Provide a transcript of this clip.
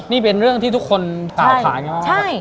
นี่เป็นเรื่องที่ทุกคนสาวขายังไงว่า